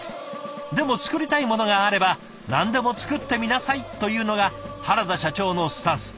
でも作りたいものがあれば何でも作ってみなさいというのが原田社長のスタンス。